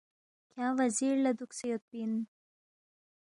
کھیانگ وزیر لہ دُوکسے یودپی اِن